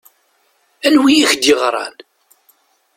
Anwi i k-d-yeɣṛan?